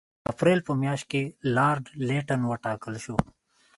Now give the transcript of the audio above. د اپرېل په میاشت کې لارډ لیټن وټاکل شو.